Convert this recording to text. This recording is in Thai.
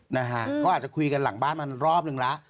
นะฮะก็อาจจะคุยกันหลังบ้านมารอบนึงแล้ว